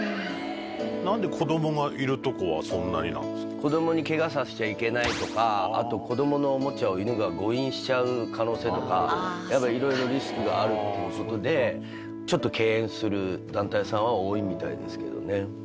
子供にケガさせちゃいけないとかあと子供のおもちゃを犬が誤飲しちゃう可能性とか色々リスクがあるっていうことでちょっと敬遠する団体さんは多いみたいですけどね。